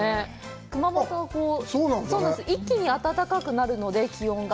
熊本は一気に暖かくなるので、気温が。